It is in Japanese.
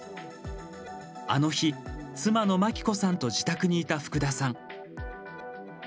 あの日、妻の眞紀子さんと自宅にいた福田さん。